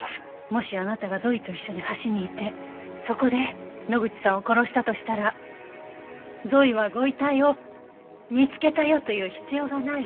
もしあなたがゾイと一緒に橋にいてそこで野口さんを殺したとしたらゾイはご遺体を「見つけたよ」と言う必要がない。